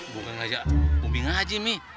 bukan ngajak umingah aja mih